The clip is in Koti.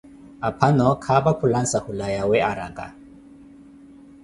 Aphano khapa khulansa hula yawe araka.